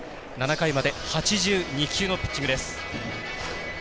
７回まで８２球のピッチングです。